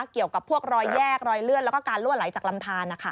เกี่ยวกับพวกรอยแยกรอยเลือดแล้วก็การลั่วไหลจากลำทานนะคะ